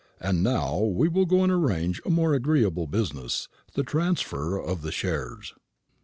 "And now we will go and arrange a more agreeable business the transfer of the shares."